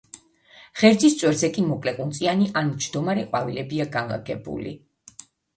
ღერძის წვერზე კი მოკლეყუნწიანი ან მჯდომარე ყვავილებია განლაგებული.